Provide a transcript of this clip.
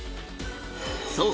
そう！